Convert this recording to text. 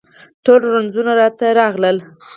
ټول رنځونه راته راغلل